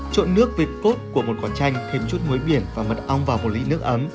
trộn nước về cốt của một quả chanh thêm chút muối biển và mật ong vào một lít nước ấm